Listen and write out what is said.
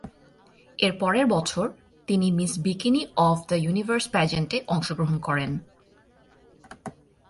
এরপরের বছর তিনি Miss Bikini of the Universe পাজ্যান্ট-এ অংশগ্রহণ করেন।